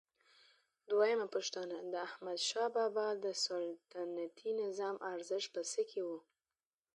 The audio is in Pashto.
دویمه پوښتنه: د احمدشاه بابا د سلطنتي نظام ارزښت په څه کې و؟